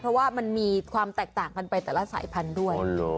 เพราะว่ามันมีความแตกต่างกันไปแต่ละสายพันธุ์ด้วย